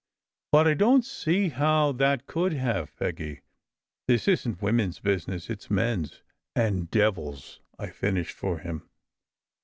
But I don t see how that could have, Peggy. This isn t women s business, it s men s." "And devils ," I finished for him.